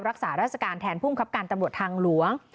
รักษาราชการแทนภูมิครับการตำรวจทางหลวง